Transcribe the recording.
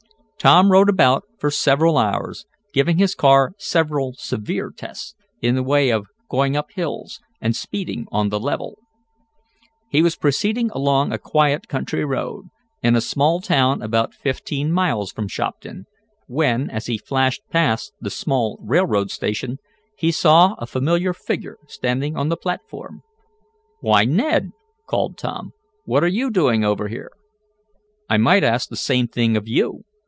Tom rode about for several hours, giving his car several severe tests in the way of going up hills, and speeding on the level. He was proceeding along a quiet country road, in a small town about fifteen miles from Shopton, when, as he flashed past the small railroad station, he saw a familiar figure standing on the platform. "Why, Ned!" called Tom, "what are you doing over here?" "I might ask the same thing of you.